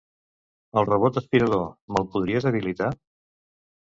El robot aspirador, me'l podries habilitar?